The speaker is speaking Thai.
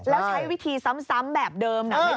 แล้วใช้วิธีซ้ำแบบเดิมนั่นไม่ได้